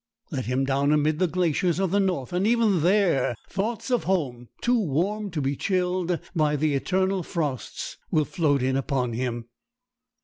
Let him down amid the glaciers of the north, and even there thoughts of home, too warm to be chilled by the eternal frosts, will float in upon him.